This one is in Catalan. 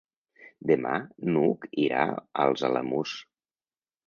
Demà n'Hug irà als Alamús.